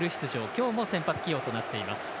今日も先発起用となっています。